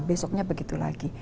besoknya begitu lagi